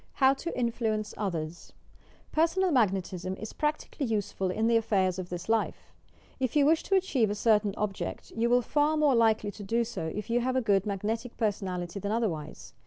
HOW TO INFLUENCE OTHERS Personal Magnetism is practically useful in the affairs of this life. If you wish to achieve a certain object, you will be far more likely to do so if you have a good magnetic personality than otherwise.